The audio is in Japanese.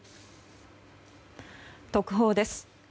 特報です。